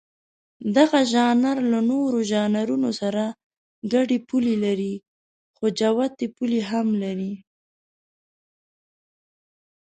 دغه ژانر له نورو ژانرونو سره ګډې پولې لري، خو جوتې پولې هم لري.